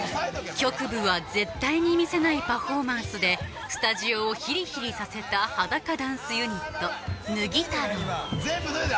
局部は絶対に見せないパフォーマンスでスタジオをヒリヒリさせた裸ダンスユニットぬぎたろう全部脱いだ？